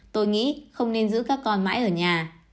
tôi nghĩ không nên giữ các con mãi ở nhà